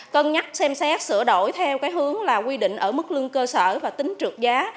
cân nhắc xem xét sửa đổi theo cái hướng là quy định ở mức lương cơ sở và tính trượt giá